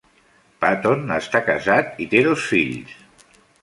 Patton està casat i té dos fills.